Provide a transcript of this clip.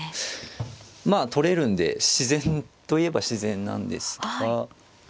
まあ取れるんで自然といえば自然なんですが。